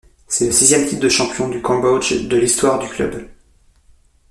C'est le sixième titre de champion du Cambodge de l'histoire du club.